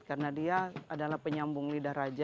karena dia adalah penyambung lidah raja